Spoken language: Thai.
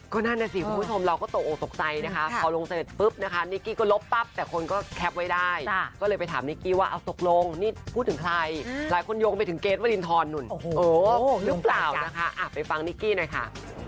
ก็นั่นน่ะสิคุณผู้ชมเราก็ตกออกตกใจนะคะพอลงเสร็จปุ๊บนะคะนิกกี้ก็ลบปั๊บแต่คนก็แคปไว้ได้ก็เลยไปถามนิกกี้ว่าเอาตกลงนี่พูดถึงใครหลายคนโยงไปถึงเกรทวรินทรนู่นหรือเปล่านะคะไปฟังนิกกี้หน่อยค่ะ